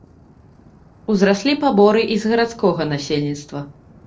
Узраслі паборы і з гарадскога насельніцтва.